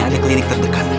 ada klinik terdekat